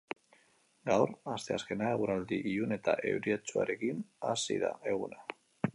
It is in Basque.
Gaur, asteazkena, eguraldi ilun eta euritsuarekin hasi da eguna.